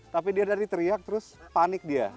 tapi dia dari teriak terus panik dia